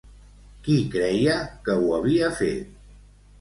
Qui creia que ho havia fet?